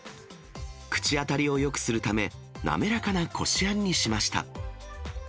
口当たりをよくするため、滑らかなこしあんにしました。